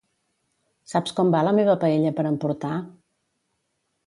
Saps com va la meva paella per emportar?